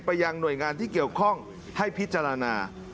ยังหน่วยงานที่เกี่ยวข้องให้พิจารณา